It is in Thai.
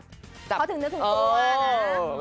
เขาถึงนึกถึงตัวนะ